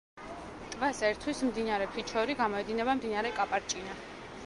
ტბას ერთვის მდინარე ფიჩორი, გამოედინება მდინარე კაპარჭინა.